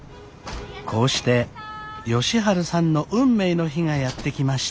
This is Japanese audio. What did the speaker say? こうして佳晴さんの運命の日がやって来ました。